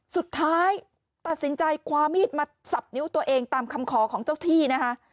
สุดท้ายตัดสินใจความมีดมาสับนิ้วตัวเองตามคำขอของเจ้าที่นะคะ